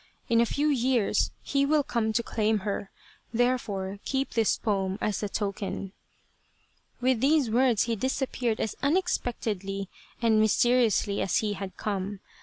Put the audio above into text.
' In a few years he will come to claim her, therefore keep this poem as the token.' " With these words he disappeared as unexpectedly and mysteriously as he had come.